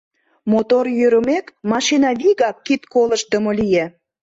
Мотор йӧрымек, машина вигак кид колыштдымо лие.